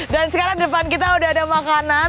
dan sekarang depan kita udah ada makanan